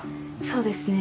そうですね。